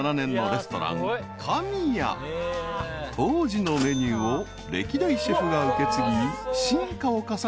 ［当時のメニューを歴代シェフが受け継ぎ進化を重ね